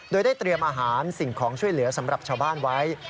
โดยได้เตรียมอาหารสิ่งของช่วยเหลือสำหรับชาวบ้านไว้